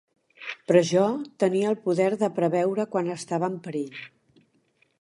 Però jo tenia el poder de preveure quan estava en perill.